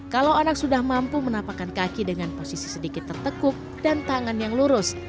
kalau anak sudah mampu menapakkan kaki dengan posisi sedikit tertekuk dan tangan yang lurus